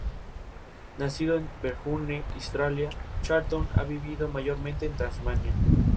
Tiene la corteza lisa de color pardo-rojiza de la que se desprende láminas verticales.